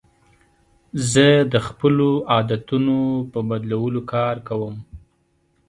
زه د خپلو عادتونو په بدلولو کار کوم.